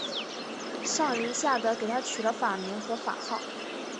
上仁下德给他取了法名和法号。